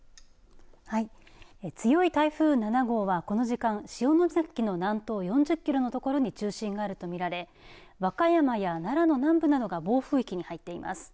はい、強い台風７号はこの時間潮岬の南東４０キロのところに中心があると見られ和歌山や奈良の南部などが暴風域に入っています。